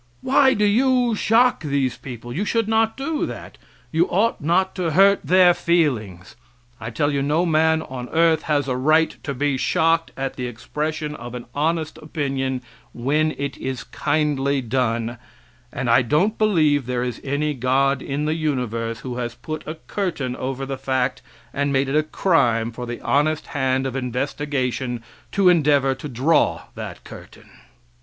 Why do you shock these people? You should not do that; you ought not to hurt their feelings. I tell you no man on earth has a right to be shocked at the expression of an honest opinion when it is kindly done, and I don't believe there is any God in the universe who has put a curtain over the fact and made it a crime for the honest hand of investigation to endeavor to draw that curtain.